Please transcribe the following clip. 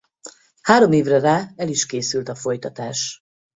Három évre rá el is készült a folytatás.